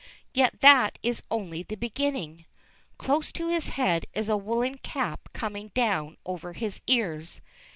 Yet that is only the beginning. Close to his head is a woollen cap coming down over his ears.